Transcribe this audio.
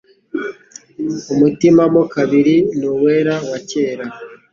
Umutima mo kabiri ni uwera, wa kera;